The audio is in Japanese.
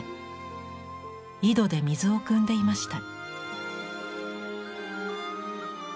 井戸で水をくんでいました。